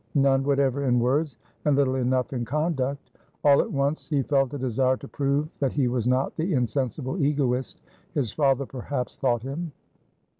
None whatever in words, and little enough in conduct. All at once, he felt a desire to prove that he was not the insensible egoist his father perhaps thought him.